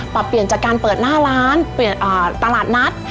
ปรับเปลี่ยนจากการเปิดหน้าร้านเปลี่ยนตลาดนัด